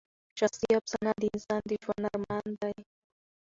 شخصي افسانه د انسان د ژوند ارمان دی.